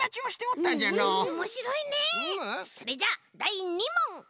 それじゃあだい２もん！